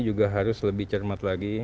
juga harus lebih cermat lagi